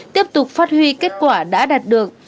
tiếp tục phát huy kết quả đã đạt được